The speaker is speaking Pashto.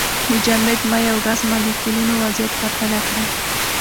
د جامد، مایع او ګاز مالیکولونو وضعیت پرتله کړئ.